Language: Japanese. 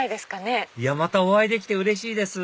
またお会いできてうれしいです